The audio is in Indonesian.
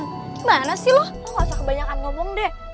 gimana sih lu lu ga usah kebanyakan ngomong deh